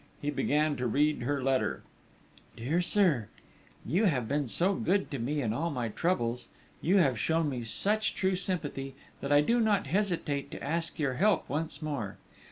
He began to read her letter. "Dear Sir, _You have been so good to me in all my troubles, you have shown me such true sympathy, that I do not hesitate to ask your help once more.